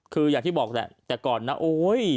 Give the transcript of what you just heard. คืออย่างที่บอกแหละแต่ก่อนนะโอ๊ย